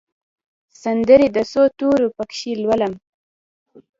سندرې د څو تورو پکښې لولم